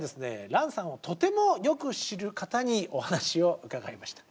蘭さんをとてもよく知る方にお話を伺いました。